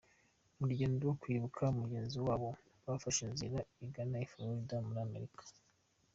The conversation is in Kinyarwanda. Mu rugendo rwo kwibuka mugenzi wabo, bafashe inzira igana i Florida -muri Amerika-.